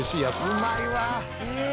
「うまいわ！」